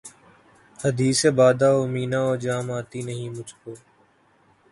حدیث بادہ و مینا و جام آتی نہیں مجھ کو